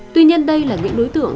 tuy nhiên đây là những đối tượng